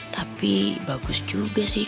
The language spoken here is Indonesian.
tapi bagus juga sih